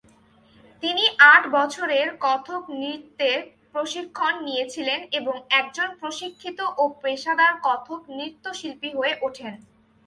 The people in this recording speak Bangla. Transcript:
তিনি আট বছরের কথক নৃত্যের প্রশিক্ষণ নিয়েছিলেন এবং একজন প্রশিক্ষিত ও পেশাদার কথক নৃত্যশিল্পী হয়ে ওঠেন।